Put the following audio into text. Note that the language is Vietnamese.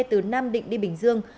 từ nam định đi bình dương